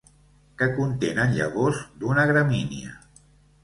Que contenen llavors d'una gramínia.